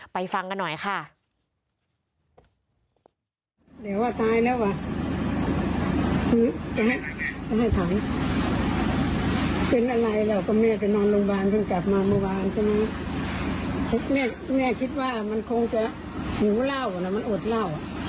ฟังกันหน่อยค่ะ